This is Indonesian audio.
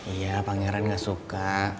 iya pangeran gak suka